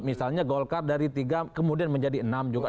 misalnya golkar dari tiga kemudian menjadi enam juga